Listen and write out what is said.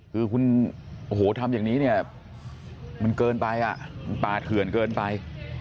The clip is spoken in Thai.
คือคุณทำอย่างนี้มันเกินไปปลาเถื่อนเกินไป